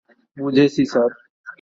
বুঝেছি, স্যার।